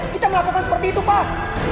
kita melakukan seperti itu pak